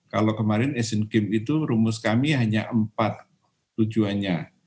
kalau kemarin asian games itu rumus kami hanya empat tujuannya